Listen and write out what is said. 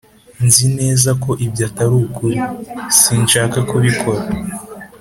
nzi neza ko ibyo atari ukuri. sinshaka kubikora